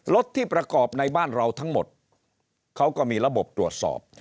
ที่ประกอบในบ้านเราทั้งหมดเขาก็มีระบบตรวจสอบ